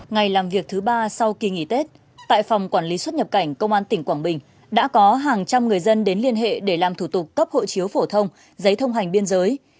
ngày làm việc thứ ba sau kỳ nghỉ tết tại phòng quản lý xuất nhập cảnh công an tỉnh quảng bình đã có hàng trăm người dân đến liên hệ để làm thủ tục cấp hộ chiếu phổ thông giấy thông hành biên giới